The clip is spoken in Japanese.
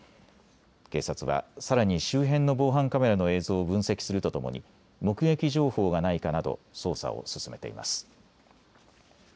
警察はさらに周辺の防犯カメラの映像を分析するとともに目撃情報がないかなど捜査を進めています。